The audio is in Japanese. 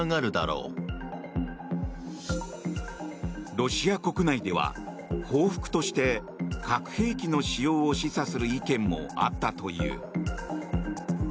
ロシア国内では報復として核兵器の使用を示唆する意見もあったという。